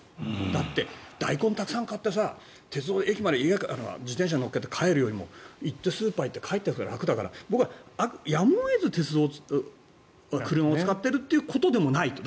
だってダイコンをたくさん買って鉄道、駅まで自転車に載っけて帰るよりもスーパーに行って帰ってきたほうが楽だから僕はやむを得ず車を使っているということでもないと。